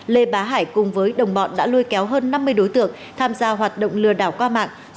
lê bá hải cùng với đồng bọn đã lôi kéo hơn năm mươi đối tượng tham gia hoạt động lừa đảo qua mạng